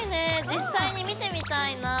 実際に見てみたいな。